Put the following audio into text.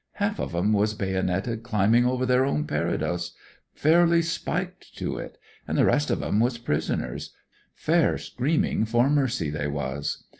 Half of 'em was baynited climbing over their own parados, fairly spiked to it, and the rest of 'em was prisoners; fair screaming for mercy they was.